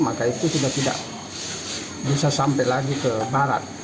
maka itu sudah tidak bisa sampai lagi ke barat